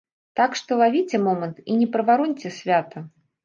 Так што лавіце момант і не правароньце свята!